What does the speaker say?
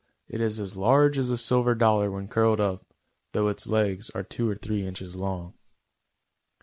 It is as large as a silver dollar when curled up, though its legs are two or three inches long.